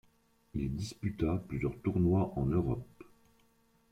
Il disputa plusieurs tournois en Europe.